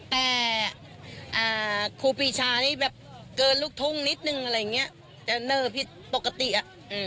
แต่ครูปีชานี่แบบเกินลูกทุ่งนิดนึงอะไรอย่างนี้จะเนอผิดปกติอ่ะ